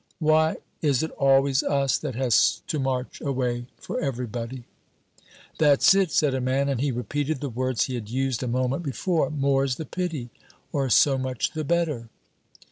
"Why is it always us that has to march away for everybody?" "That's it!" said a man, and he repeated the words he had used a moment before. "More's the pity, or so much the better."